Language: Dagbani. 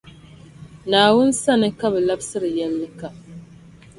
Naawuni sani ka bɛ labsiri yεllikam.